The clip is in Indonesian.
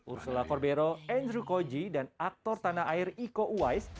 ursula corbero andrew koji dan aktor tanah air iko uwais